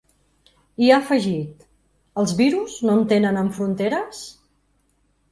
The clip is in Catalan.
I ha afegit: Els virus no entenen en fronteres?